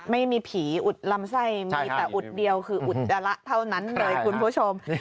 ไม่มีผีอุดลำไส้มีแต่อุดเดียวคืออุจจาระเท่านั้นเลยคุณผู้ชม